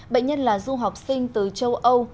bệnh nhân là du học sinh từ châu âu